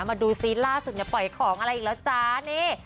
มาดูซิล่าสุดเนี่ยปล่อยของอะไรอีกแล้วจ้านี่